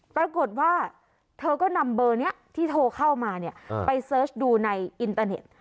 ปรากฏว่าเธอก็นำเบอร์นี้ที่โทรเข้ามาเนี่ยไปเสิร์ชดูในอินเตอร์เน็ต